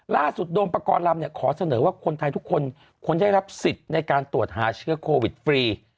โดมประกอบลำขอเสนอว่าคนไทยทุกคนควรได้รับสิทธิ์ในการตรวจหาเชื้อโควิดฟรี